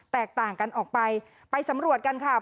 แตกต่างกันออกไปไปสำรวจกันค่ะ